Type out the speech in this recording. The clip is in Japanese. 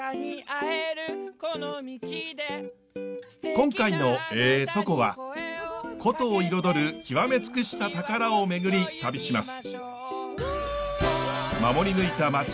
今回の「えぇトコ」は古都を彩る極め尽くした宝をめぐり旅します。